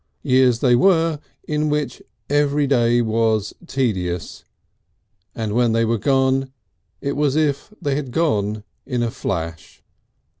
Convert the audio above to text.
Years they were in which every day was tedious, and when they were gone it was as if they had gone in a flash.